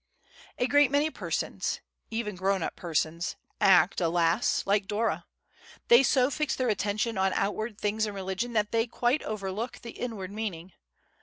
A great many persons—even grown up persons—act, alas! like Dora. They so fix their attention on outward things in religion that they quite overlook the inward meaning.